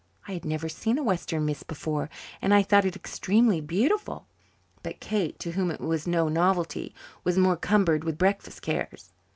I had never seen a western mist before and I thought it extremely beautiful; but Kate, to whom it was no novelty, was more cumbered with breakfast cares.